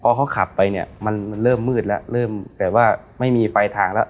พอเขาขับไปเนี่ยมันเริ่มมืดแล้วเริ่มแต่ว่าไม่มีปลายทางแล้ว